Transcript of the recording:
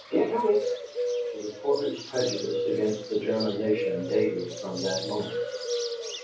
"Git owit." The reporter's prejudice against the German nation dated from that moment.